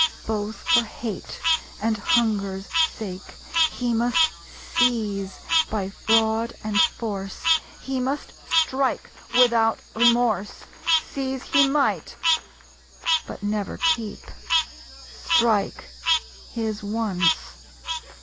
Both for hate and hunger's sake. He must seize by fraud and force; He must strike, without remorse! Seize he might; but never keep. Strike, his once!